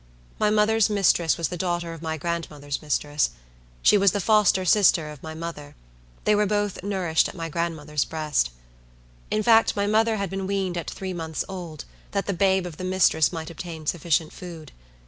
My mother's mistress was the daughter of my grandmother's mistress. She was the foster sister of my mother; they were both nourished at my grandmother's breast. In fact, my mother had been weaned at three months old, that the babe of the mistress might obtain sufficient food.